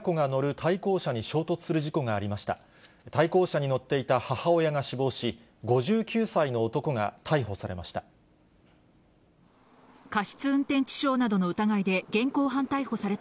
対向車に乗っていた母親が死亡し、５９歳の男が逮捕されました。